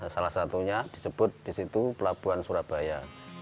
salah satunya disebut di situ pelabuhan surabaya